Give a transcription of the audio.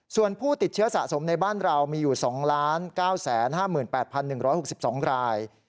ส่วนผู้ติดเชื้อสะสมในบ้านเรามีอยู่๒๙๕๘๑๖๒ราย